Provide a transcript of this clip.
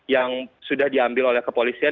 yang sudah diambil oleh kepolisian